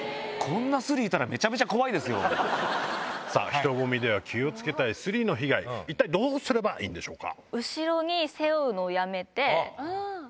人混みで気を付けたいスリの被害どうすればいいんでしょうか？